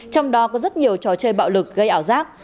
trong đó có rất nhiều trò chơi bạo lực gây ảo giác